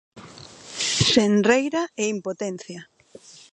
Xenreira e impotencia.